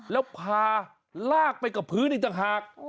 แล้วพาลากไปกับพื้นอีกต่างหาก